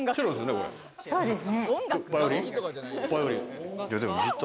そうですね。